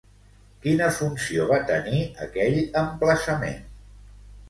Quina funció va tenir aquell emplaçament?